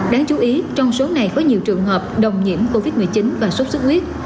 đáng chú ý trong số này có nhiều trường hợp đồng nhiễm covid một mươi chín và sốt xuất huyết